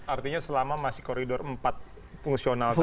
artinya selama masih koridor empat fungsional saja